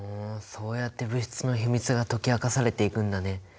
そうやって物質の秘密が解き明かされていくんだね。